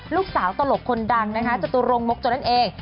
ลูกสาวตลกคนดังนะคะจตุรงมกจนนั่นเอง